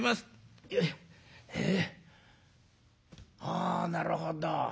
あなるほど。